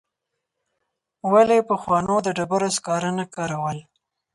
ولي پخوانو د ډبرو سکاره نه کارول؟